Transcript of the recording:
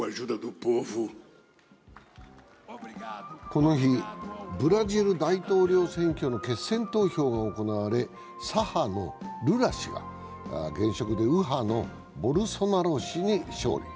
この日、ブラジル大統領選挙の決選投票が行われ左派のルラ氏が現職で右派のボルソナロ氏に勝利。